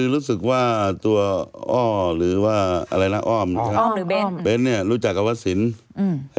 รู้สึกว่าตัวอ้อแบนท์รู้จักกับวัสดิ์ศิลป์